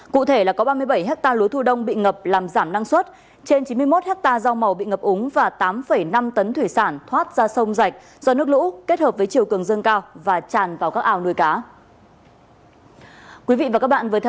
cụ thể là có ba mươi bảy hectare lúa thu đông bị ngập làm giảm năng suất trên chín mươi một hectare rau màu bị ngập úng và tám năm tấn thủy sản thoát ra sông rạch do nước lũ kết hợp với chiều cường dâng cao và tràn vào các ao nuôi cá